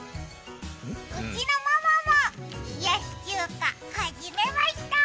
うちのママも冷やし中華始めました！